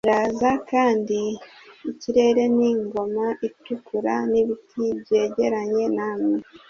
iraza, kandi ikirere ni ingoma itukura, n'ibiti byegeranye nawe